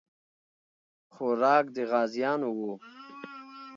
خوراک د غازیانو وو.